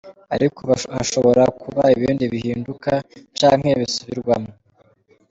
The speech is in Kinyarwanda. Ariko hashobora kuba ibindi bihinduka canke bisubirwamwo.